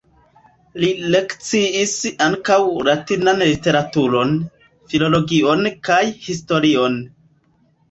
Li lekciis ankaŭ latinan literaturon, filologion kaj historion.